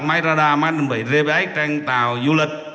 máy radar máy đồng bị gps trên tàu du lịch